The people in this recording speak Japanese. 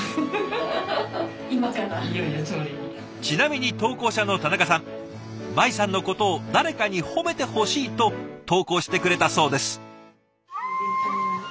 ちなみに投稿者の田中さん舞さんのことを誰かに褒めてほしいと投稿してくれたそうです。